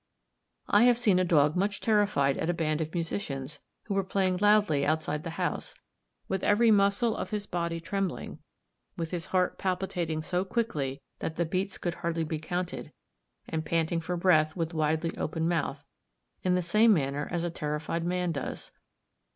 I have seen a dog much terrified at a band of musicians who were playing loudly outside the house, with every muscle of his body trembling, with his heart palpitating so quickly that the beats could hardly be counted, and panting for breath with widely open mouth, in the same manner as a terrified man does.